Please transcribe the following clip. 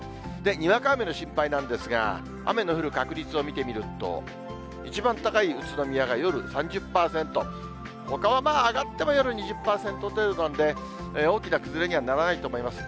にわか雨の心配なんですが、雨の降る確率を見てみると、一番高い宇都宮が夜３０％、ほかはまあ、上がっても夜２０％程度なんで、大きな崩れにはならないと思います。